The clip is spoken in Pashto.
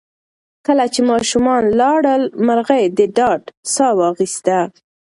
کله چې ماشومان لاړل، مرغۍ د ډاډ ساه واخیسته.